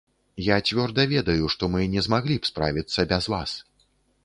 Я цвёрда ведаю, што мы не змаглі б справіцца без вас.